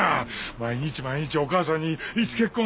毎日毎日お母さんに「いつ結婚すんの？」ってよ。